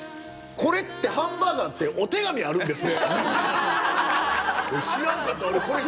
これってハンバーガーってお手紙あるんですね。